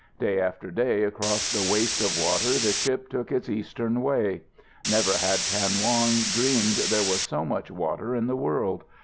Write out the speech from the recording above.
Day after day across the waste of water the ship took its eastern way. Never had Kan Wong dreamed there was so much water in the world.